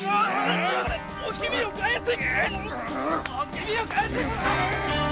おきみを返せ！